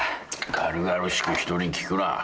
軽々しく人に聞くな。